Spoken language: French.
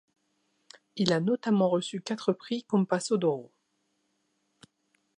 Il a notamment reçu quatre prix Compasso d'Oro.